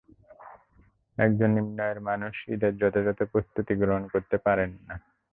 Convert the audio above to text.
একজন নিম্ন আয়ের মানুষ ঈদের যথাযথ প্রস্তুতি গ্রহণ করতে পারেন না।